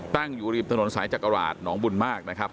ตั้งอยู่ริมถนนสายจักราชหนองบุญมากนะครับ